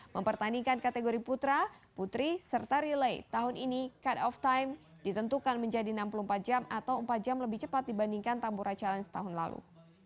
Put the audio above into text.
mempertandingkan kategori putra putri serta relate tahun ini cut of time ditentukan menjadi enam puluh empat jam atau empat jam lebih cepat dibandingkan tambora challenge tahun lalu